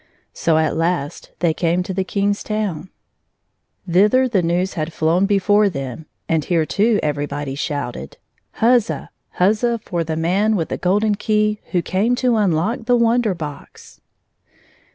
So at last they came to the King's town. 1 86 Thither the news had flown before them, and here, too, everybody shouted. Huzza ! Huzza for the man with the golden key who came to unlock the Wonder Box